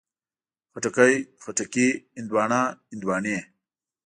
خټکی، خټکي، هندواڼه، هندواڼې